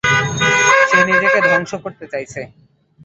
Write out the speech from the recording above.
সে নিজেকে ধ্বংস করতে চাইছে।